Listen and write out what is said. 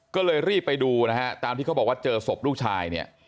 ก็เลยรีบไปดูนะฮะตามที่เขาบอกว่าเจอศพลูกชายเนี่ย